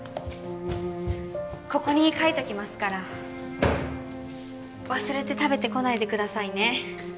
ここに書いときますから忘れて食べてこないでくださいね